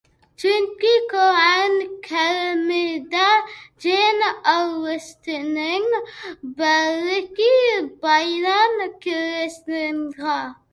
چۈنكى قۇرئان كەرىمدە جىن ئالۋاستىنىڭ بارلىقى بايان قىلىنغان.